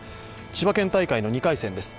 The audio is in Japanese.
千葉県大会の２回戦です。